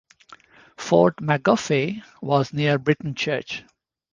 Fort McGaughey was near Brittain Church.